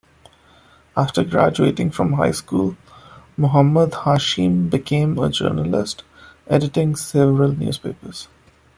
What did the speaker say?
After graduating from high school, Mohammad Hashim became a journalist, editing several newspapers.